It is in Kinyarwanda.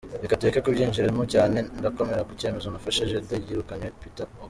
Reka tureke kubyinjiramo cyane, ndakomera ku cyemezo nafashe, Jude yirukanywe - Peter Okoye.